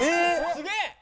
すげえ！